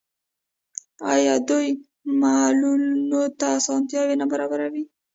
آیا دوی معلولینو ته اسانتیاوې نه برابروي؟